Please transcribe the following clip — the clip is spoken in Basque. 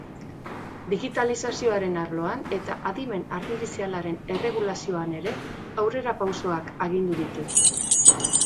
Digitalizazioaren arloan eta adimen artifizialaren erregulazioan ere aurrerapausoak agindu ditu.